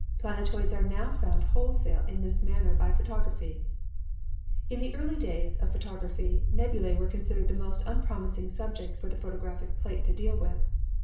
Planetoids are now found wholesale in this manner by photography." In the early days of photography nebulae were considered the most unpromising subject for the photographic plate to deal with.